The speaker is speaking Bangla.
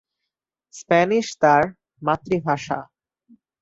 স্প্যানিশ তার মাতৃভাষা।